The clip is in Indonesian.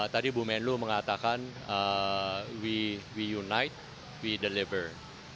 tadi bu menlu mengatakan we unite we deliver